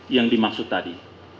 yang dimaksud tadi